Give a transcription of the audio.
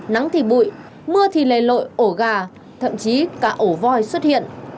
nắng thì bụi mưa thì lầy lội ổ gà thậm chí cả ổ voi xuất hiện